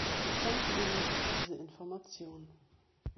Ich danke Ihnen für diese Information.